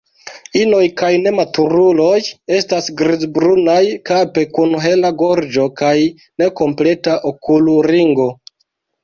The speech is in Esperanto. Inoj kaj nematuruloj estas grizbrunaj kape kun hela gorĝo kaj nekompleta okulringo.